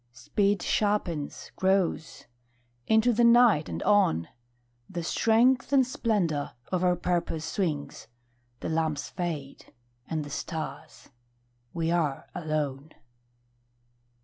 Speed sharpens; grows. Into the night, and on, The strength and splendour of our purpose swings. The lamps fade; and the stars. We are alone.